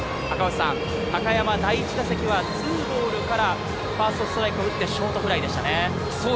高山の第１打席は２ボールからファーストストライクを打ってショートフライでしたね。